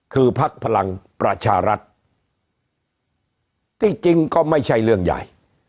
คือพักพลังประชารัฐที่จริงก็ไม่ใช่เรื่องใหญ่